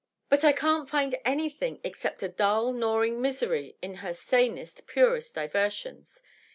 " But I can't find anything except a dull, gnawing misery in her sanest, purest diversions.